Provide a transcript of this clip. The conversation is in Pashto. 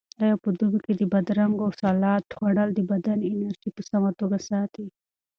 آیا په دوبي کې د بادرنګو سالاډ خوړل د بدن انرژي په سمه ساتي؟